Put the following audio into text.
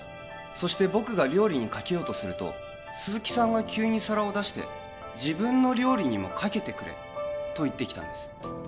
そして僕が料理にかけようとすると鈴木さんが急に皿を出して自分の料理にもかけてくれと言ってきたんです